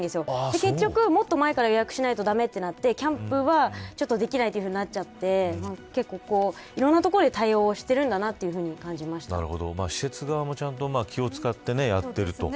結局、もっと前から予約しないと駄目となってキャンプはできないというふうになっちゃって結構いろんなところで対応しているんだなと施設側も気を使ってやっていると。